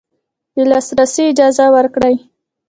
د لاسرسي اجازه ورکړي